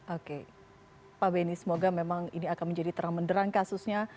oke pak beni semoga memang ini akan menjadi terang menderang kasusnya